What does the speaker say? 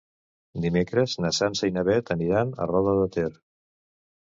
Dimecres na Sança i na Beth aniran a Roda de Ter.